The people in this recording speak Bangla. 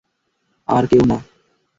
আর কেউ না।